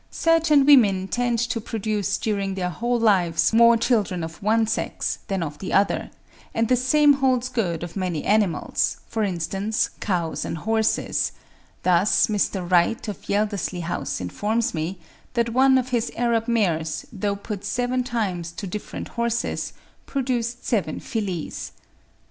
Certain women tend to produce during their whole lives more children of one sex than of the other: and the same holds good of many animals, for instance, cows and horses; thus Mr. Wright of Yeldersley House informs me that one of his Arab mares, though put seven times to different horses, produced seven fillies.